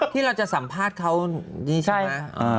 ที่เราจะสัมภาษณ์เขานี่ใช่ไหม